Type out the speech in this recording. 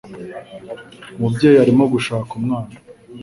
Umubyeyi arimo gushaka umwana.